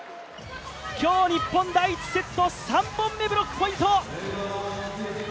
今日、日本第１セット３本目ブロックポイント。